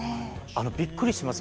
あのびっくりします。